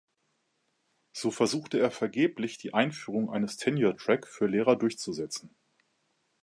So versuchte er vergeblich die Einführung eines Tenure-Track für Lehrer durchzusetzen.